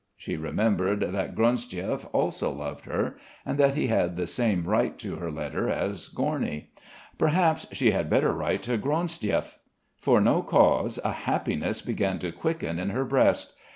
She remembered that Gronsdiev also loved her, and that he had the same right to her letter as Gorny. Perhaps she had better write to Gronsdiev? For no cause, a happiness began to quicken in her breast.